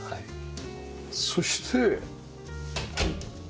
そして。